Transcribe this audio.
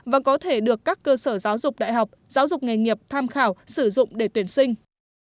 và có thể được các cơ sở giáo dục đại học giáo dục nghề nghiệp tham khảo sử dụng để tuyển sinh